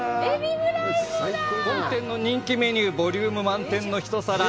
本店の人気メニューボリューム満点の一皿。